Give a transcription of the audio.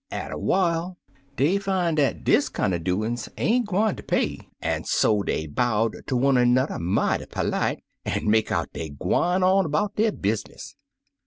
"Atter while, dey fin' dat dis kinder doin's ain't gwine ter pay, an' so dey bowed ter one an'er, mighty perlite, an' make out dey gwine on 'bout der business.